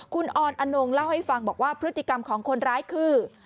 คุณออนอนงเล่าให้ฟังบอกว่าพฤติกรรมของคนร้ายคือ